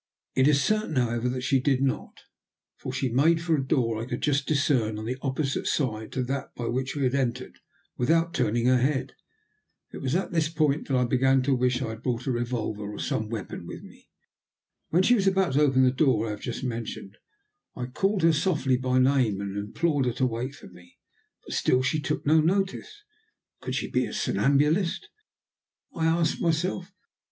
It is certain, however, that she did not, for she made for a door I could just discern on the opposite side to that by which we had entered, without turning her head. It was at this point that I began to wish I had brought a revolver or some weapon with me. When she was about to open the door I have just mentioned, I called her softly by name, and implored her to wait for me, but still she took no notice. Could she be a somnambulist? I asked myself.